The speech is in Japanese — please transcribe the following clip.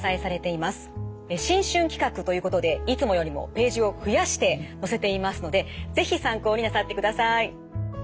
新春企画ということでいつもよりもページを増やして載せていますので是非参考になさってください。